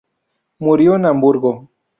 Murió en Hamburgo.